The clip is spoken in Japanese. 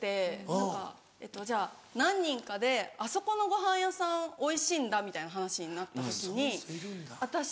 何かじゃあ何人かで「あそこのごはん屋さんおいしいんだ」みたいな話になった時に私